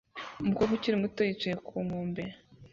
Umukobwa ukiri muto yicaye ku nkombe